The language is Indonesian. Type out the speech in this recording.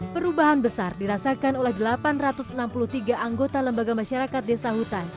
perubahan besar dirasakan oleh delapan ratus enam puluh tiga anggota lembaga masyarakat desa hutan